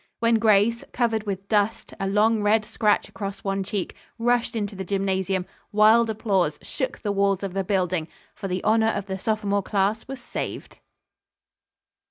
When Grace, covered with dust, a long, red scratch across one cheek, rushed into the gymnasium, wild applause shook the walls of the building, for the honor of the sophomore class was saved.